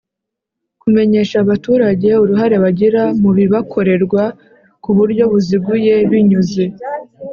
Kumenyesha abaturage uruhare bagira mu bibakorerwa ku buryo buziguye Binyuze